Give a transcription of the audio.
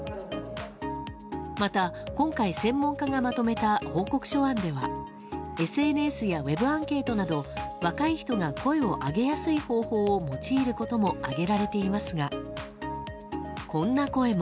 また今回専門家がまとめた報告書案ではＳＮＳやウェブアンケートなど若い人が声を上げやすい方法を用いることも挙げられていますがこんな声も。